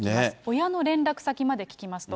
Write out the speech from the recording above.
親の連絡先まで聞きますと。